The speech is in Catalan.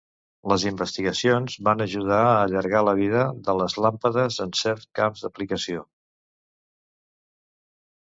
Les investigacions van ajudar a allargar la vida de les làmpades en certs camps d'aplicació.